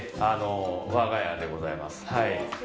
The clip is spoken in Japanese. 我が家でございます。